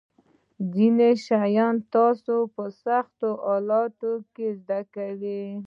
ځینې شیان تاسو په سختو حالاتو کې زده کوئ.